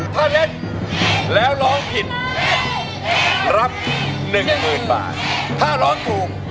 ถ้าเล่นแล้วร้องผิดรับ๑๐๐๐๐บาท